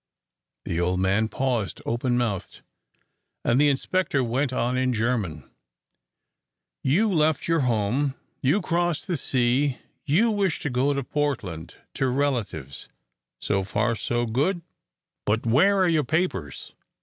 The old man paused open mouthed, and the inspector went on in German: "You left your home, you crossed the sea, you wish to go to Portland to relatives so far, so good, but where are your papers?"